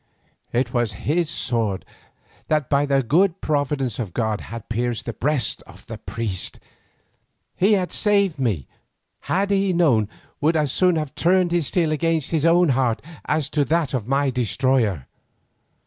It was his sword that by the good providence of God had pierced the breast of the priest. He had saved me who, had he known, would as soon have turned his steel against his own heart as on that of my destroyer.